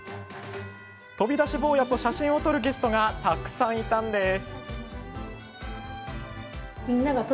飛び出し坊やと写真を撮るゲストがたくさんいたんです。